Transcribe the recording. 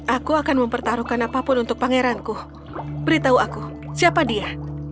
aku akan mempertaruhkan apapun untuk pangeranku beritahu aku siapa dia